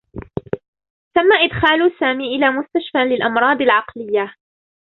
تمّ إدخال سامي إلى مستشفى للأمراض العقليّة.